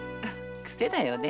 癖だよね。